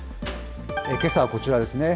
けさはこちらですね。